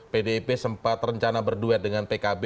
pdip sempat rencana berduet dengan pkb